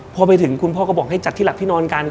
พอไปถึงคุณพ่อก็บอกให้จัดที่หลับที่นอนกัน